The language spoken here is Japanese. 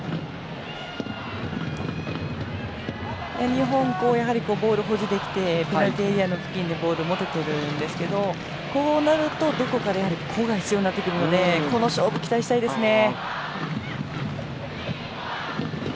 日本、ボールを保持できてペナルティーエリアの付近でボールを持てているんですけどこうなると個が必要になってくるのでこの勝負、期待したいですね。